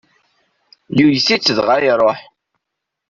Yuyes-it dɣa iṛuḥ.